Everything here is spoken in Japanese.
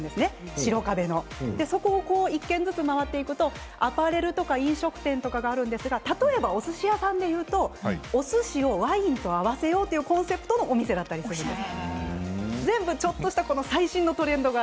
白壁の、そこを一軒ずつ回っていくとアパレルとか飲食店などがあるんですが例えば、おすし屋さんでいうとおすしをワインと合わせようというコンセプトのお店があったりします。